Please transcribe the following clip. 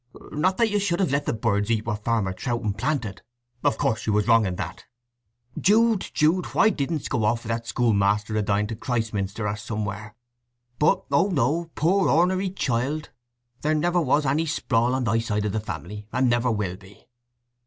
"Not that you should have let the birds eat what Farmer Troutham planted. Of course you was wrong in that. Jude, Jude, why didstn't go off with that schoolmaster of thine to Christminster or somewhere? But, oh no—poor or'nary child—there never was any sprawl on thy side of the family, and never will be!"